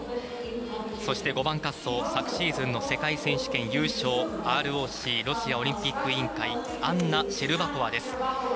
そして、５番滑走昨シーズンの世界選手権優勝ＲＯＣ＝ロシアオリンピック委員会アンナ・シェルバコワです。